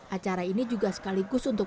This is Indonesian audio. acara ini juga sekaligus untuk